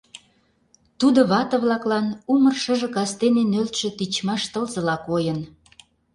Тудо вате-влаклан умыр шыже кастене нӧлтшӧ тичмаш тылзыла койын.